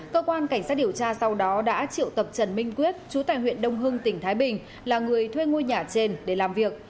cơ quan cảnh sát điều tra sau đó đã triệu tập trần minh quyết chú tại huyện đông hưng tỉnh thái bình là người thuê ngôi nhà trên để làm việc